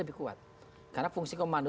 lebih kuat karena fungsi komando